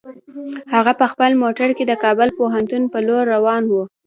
هغه په خپل موټر کې د کابل پوهنتون په لور روان و.